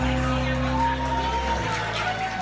เตรียมข้าเพื่อรัยไว้เจ้าสุมัยรึงค่ะเหมือนกับคุณสุดท้าย